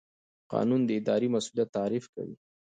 قانون د اداري مسوولیت تعریف کوي.